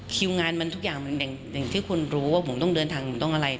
คิวงานมันทุกอย่างมันอย่างที่คุณรู้ว่าผมต้องเดินทางผมต้องอะไร